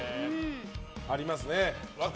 ありますね。